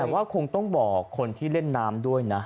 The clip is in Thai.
แต่ว่าคงต้องบอกคนที่เล่นน้ำด้วยนะ